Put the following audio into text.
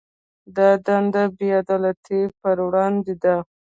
دا دنده د بې عدالتۍ پر وړاندې ده.